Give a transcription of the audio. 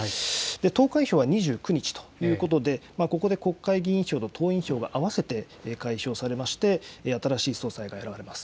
投開票は２９日ということで、ここで国会議員票と党員票が合わせて開票されまして、新しい総裁が選ばれます。